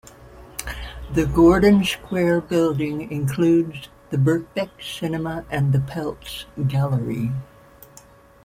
The Gordon Square building includes the Birkbeck Cinema and the Peltz Gallery.